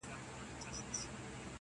په درد آباد کي، ویر د جانان دی.